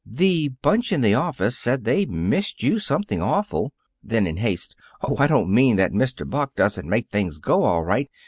"The bunch in the office said they missed you something awful." Then, in haste: "Oh, I don't mean that Mr. Buck don't make things go all right.